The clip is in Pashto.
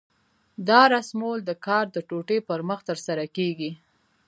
دا رسمول د کار د ټوټې پر مخ ترسره کېږي.